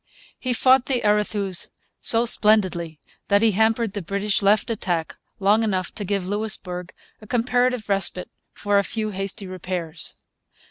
He fought the Arethuse so splendidly that he hampered the British left attack long enough to give Louisbourg a comparative respite for a few hasty repairs.